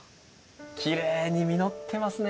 きれいに実ってますね。